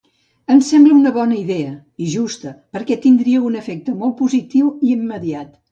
Em sembla bona idea –i justa–, perquè tindria un efecte molt positiu i immediat.